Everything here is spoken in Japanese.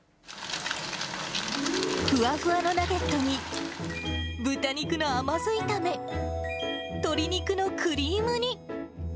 ふわふわのナゲットに、豚肉の甘酢炒め、鶏肉のクリーム煮。